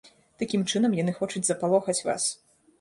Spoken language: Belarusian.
Такім чынам яны хочуць запалохаць вас.